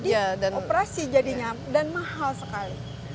jadi operasi jadinya dan mahal sekali